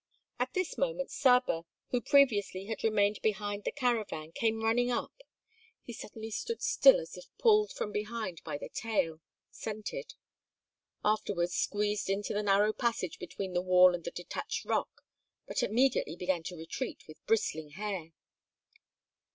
At this moment Saba, who previously had remained behind the caravan, came running up; he suddenly stood still as if pulled from behind by the tail, scented; afterwards squeezed into the narrow passage between the wall and the detached rock, but immediately began to retreat with bristling hair.